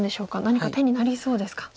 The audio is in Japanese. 何か手になりそうですか。